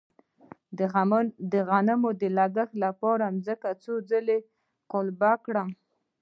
د غنمو د کښت لپاره ځمکه څو ځله قلبه کړم؟